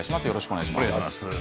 よろしくお願いします。